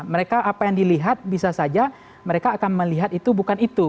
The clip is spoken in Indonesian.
mereka apa yang dilihat bisa saja mereka akan melihat itu bukan itu